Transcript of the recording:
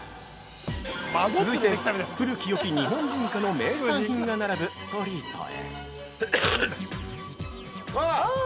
◆続いては、古きよき日本文化の名産品が並ぶストリートへ。